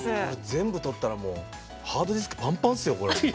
全部とったらハードディスクパンパンですよ。